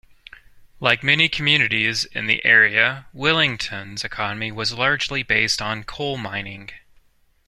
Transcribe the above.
Like many communities in the area Willington's economy was largely based on coal mining.